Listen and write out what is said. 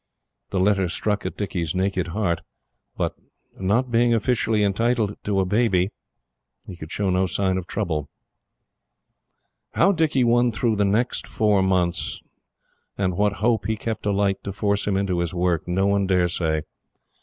The letter struck at Dicky's naked heart; but, not being officially entitled to a baby, he could show no sign of trouble. How Dicky won through the next four months, and what hope he kept alight to force him into his work, no one dare say.